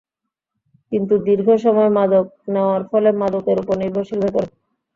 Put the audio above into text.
কিন্তু দীর্ঘ সময় মাদক নেওয়ায় ফলে মাদকের ওপর নির্ভরশীল হয়ে পড়েন।